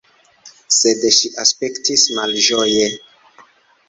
Sed ŝi aspektis malĝoje.